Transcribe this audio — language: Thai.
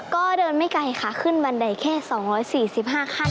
ก็เดินไม่ไกลค่ะขึ้นบันไดแค่๒๔๕ขั้น